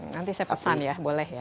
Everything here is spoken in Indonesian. nanti saya pesan ya boleh ya